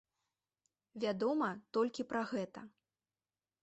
Вядома толькі пра гэта.